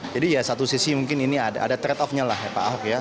jadi ya satu sisi mungkin ini ada trade offnya pak ahok ya